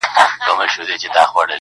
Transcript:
هغه خو ټوله ژوند تاته درکړی وو په مينه.